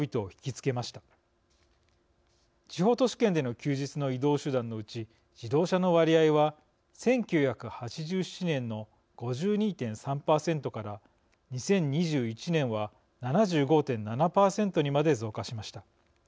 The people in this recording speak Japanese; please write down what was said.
地方都市圏での休日の移動手段のうち自動車の割合は１９８７年の５２．３％から２０２１年は７５．７％にまで増加しました。